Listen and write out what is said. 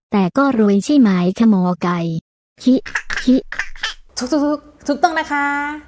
ถูกถูกต้องนะคะ